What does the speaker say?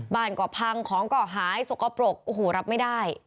บ้านเกาะพังของเกาะหายสกปรกรับไม่ได้